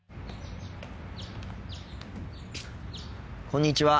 こんにちは。